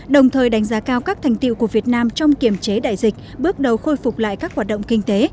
đồng thời đánh giá cao các thành tiệu của việt nam trong kiểm chế đại dịch bước đầu khôi phục lại các hoạt động kinh tế